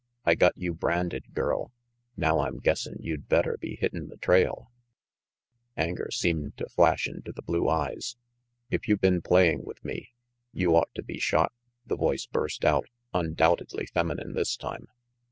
I got you branded, girl; now I'm guessin' you'd better be hitting the trail " x\nger seemed to flash into the blue eyes. "If you been playing with me, you ought to be shot," the voice burst out, undoubtedly feminine this time.